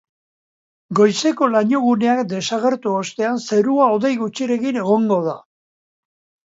Goizeko lainoguneak desagertu ostean, zerua hodei gutxirekin egongo da.